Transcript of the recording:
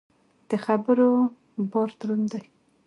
د خبرو بار دروند دی.